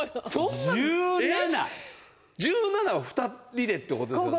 １７を２人でってことですよね？